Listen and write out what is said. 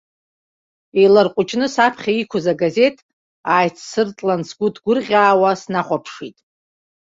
Еиларҟәыҷны саԥхьа иқәыз агазеҭ ааиҵсыртлан, сгәы ҭгәырӷьаауа снахәаԥшит.